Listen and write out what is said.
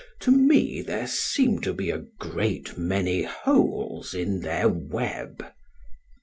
To me there seem to be a great many holes in their web.